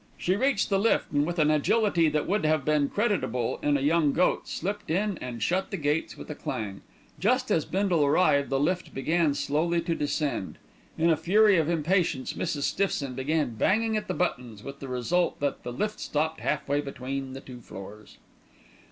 She reached the lift and, with an agility that would have been creditable in a young goat, slipped in and shut the gates with a clang. Just as Bindle arrived the lift began slowly to descend. In a fury of impatience, Mrs. Stiffson began banging at the buttons, with the result that the lift stopped halfway between the two floors.